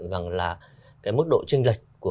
rằng là cái mức độ trinh lệch của